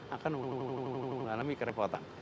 akan mengalami kerepotan